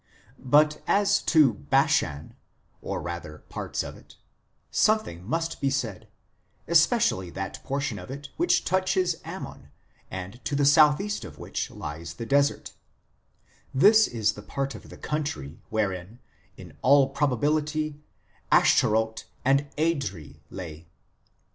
But as to Bashan (or rather, parts of it) something must be said, especially that portion of it which touches Ammon and to the south east of which lies the desert ; this is the part of the country wherein, in all probability, Ashtaroth and Edrei lay.